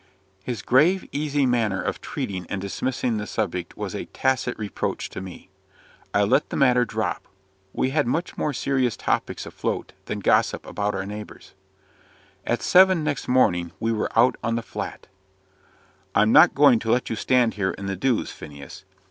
His grave, easy manner of treating and dismissing the subject was a tacit reproach to me. I let the matter drop; we had much more serious topics afloat than gossip about our neighbours. At seven next morning we were out on the Flat. "I'm not going to let you stand here in the dews, Phineas.